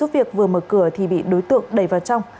việc vừa mở cửa thì bị đối tượng đẩy vào trong